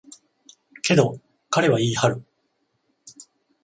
けど、彼は言い張る。